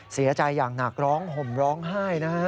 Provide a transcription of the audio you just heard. เสียใจอย่างหนักร้องห่มร้องไห้นะฮะ